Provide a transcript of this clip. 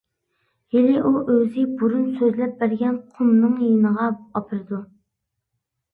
ھېلى ئۇ ئۆزى بۇرۇن سۆزلەپ بەرگەن قۇمنىڭ يېنىغا ئاپىرىدۇ.